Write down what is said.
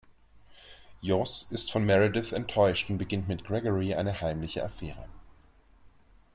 Jos ist von Meredith enttäuscht und beginnt mit Georgy eine heimliche Affäre.